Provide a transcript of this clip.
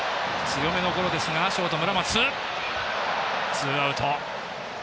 ツーアウト。